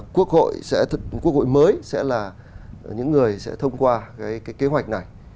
quốc hội mới sẽ là những người sẽ thông qua cái kế hoạch này